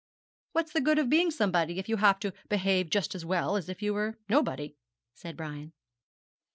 'What's the good of being somebody if you have to behave just as well as if you were nobody?' said Brian.